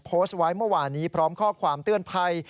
โพสต์ไว้เมื่อวานนี้พร้อมข้อความเตือนภัย